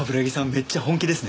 めっちゃ本気ですね。